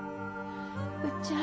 うっちゃあ